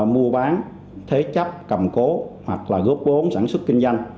mua bán thế chấp cầm cố hoặc góp bốn sản xuất kinh doanh